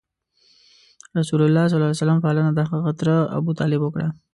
رسول الله ﷺ پالنه دهغه تره ابو طالب وکړه.